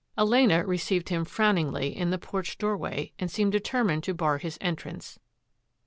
Elena received him frowningly in the porched doorway and seemed determined to bar his en trance.